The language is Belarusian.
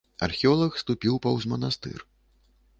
Археолаг ступіў паўз манастыр.